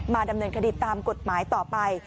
ดำเนินคดีตามกฎหมายต่อไป